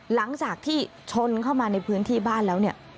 หลังจากที่ชนเข้ามาในพื้นที่บ้านแล้วเนี่ย